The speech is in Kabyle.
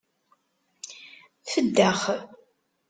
Feddex.